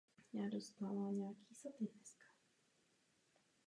Barokní jednopatrový zámek měl obdélníkový půdorys.